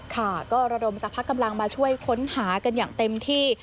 ค่ะก็ระดมสรรพกำลังมาช่วยค้นหากันอย่างเต็มที่